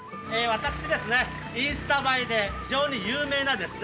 私ですねインスタ映えで非常に有名なですね